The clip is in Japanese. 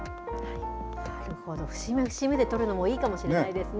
なるほど、節目節目で撮るのもいいかもしれないですね。